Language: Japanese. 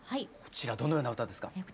こちらどのような歌ですか？